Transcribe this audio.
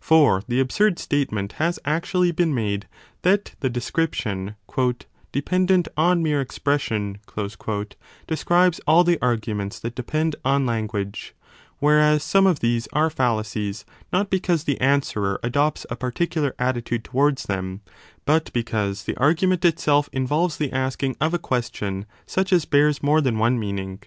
For the absurd statement has actually been made that the description dependent on mere expression describes all the arguments that depend on language : whereas some of these are fallacies not because the answerer adopts a particular attitude towards them, but because the 40 argument itself involves the asking of a question such as bears more than one meaning.